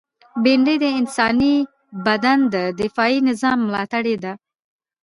بېنډۍ د انساني بدن د دفاعي نظام ملاتړې ده